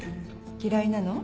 嫌いなの？